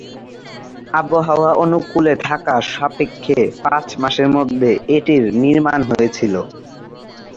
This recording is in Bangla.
আবহাওয়া অনুকূলে থাকা সাপেক্ষে পাঁচ মাসের মধ্যে এটির নির্মাণ হয়েছিল।